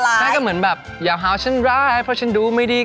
แม่ก็เหมือนแบบอย่าพาฉันร้ายเพราะฉันดูไม่ดี